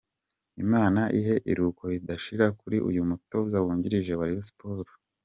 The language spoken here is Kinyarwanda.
Imana ihe iruhuko ridashira kuri uyu mutoza wungirije wa Rayon Sports.